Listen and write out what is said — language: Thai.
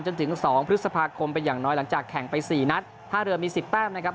จนถึงสองพฤษภาคมเป็นอย่างน้อยหลังจากแข่งไปสี่นัดท่าเรือมีสิบแต้มนะครับ